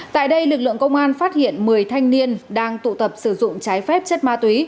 tại đây lực lượng công an phát hiện một mươi thanh niên đang tụ tập sử dụng trái phép chất ma túy